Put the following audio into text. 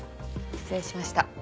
失礼しました。